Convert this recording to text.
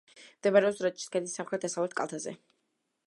მდებარეობს რაჭის ქედის სამხრეთ-დასავლეთ კალთაზე.